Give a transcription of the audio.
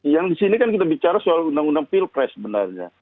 yang di sini kan kita bicara soal undang undang pilpres sebenarnya